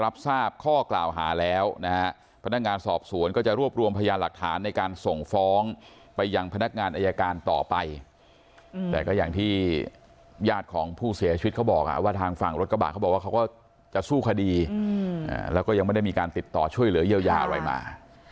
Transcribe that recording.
บอกว่าเขาก็จะสู้คดีแล้วก็ยังไม่ได้มีการติดต่อช่วยเหลือเยี่ยวยาอะไรมา